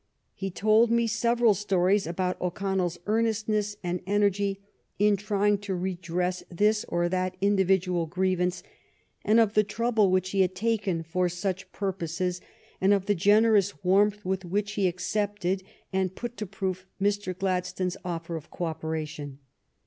He told me several stories about O'ConnelFs earnestness and energy in trying to redress this or that individual grievance, and of the trouble which he had taken for such purposes, and of the generous warmth with which he accepted and put to proof Mr. Gladstones offer of co operation.